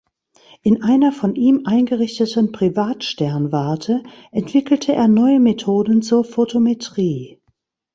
In einer von ihm eingerichteten Privatsternwarte entwickelte er neue Methoden zur Fotometrie.